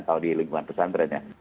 kalau di lingkungan pesantrennya